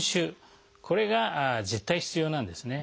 これが絶対必要なんですね。